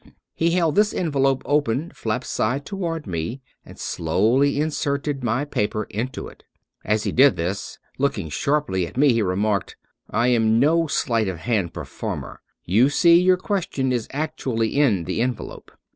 He held this envelope open flap side toward me, and slowly inserted my paper into it As he did this, looking sharply at me, he remarked, " I am no sleight of hand performer. You see your question is actu ally in the envelope."